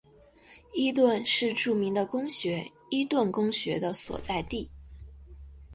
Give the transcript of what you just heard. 伊顿是著名的公学伊顿公学的所在地。